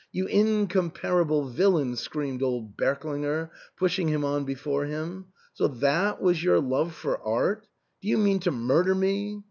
you incomparable villain!" screamed old Berklinger, pushing him on before him, " so that was your love for art? Do you mean to murder me